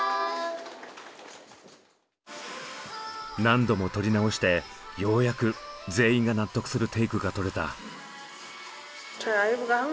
何度も撮り直してようやく全員が納得するテイクが撮れた。